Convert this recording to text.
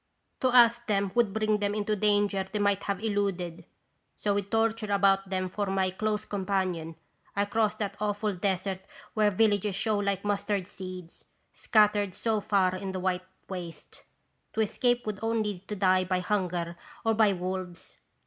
To ask would bring them into danger they might have eluded. So with torture about them for my close companion, I crossed that awful desert where villages show like mustard seeds, scat tered so far in the white waste. To escape would be only to die by hunger or by wolves.